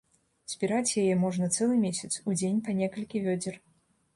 Збіраць яе можна цэлы месяц, у дзень па некалькі вёдзер.